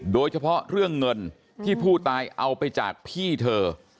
โดยเฉพาะเรื่องเงินที่ผู้ตายเอาไปจากพี่เธอ